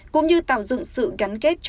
cũng như tạo dựng sự gắn kết